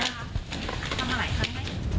ต้องทำมากี่ครั้งจะทำมาหลายครั้ง